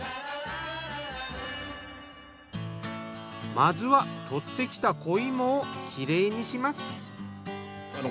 まずは採ってきた子芋をきれいにします。